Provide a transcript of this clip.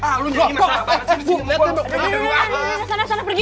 ah lo nyari masalah banget